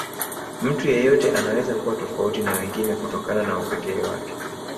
Mtu yeyote anaweza kuwa tofauti na wengine kutokana na upekee wake